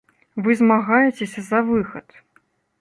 Вы змагаецеся за выхад.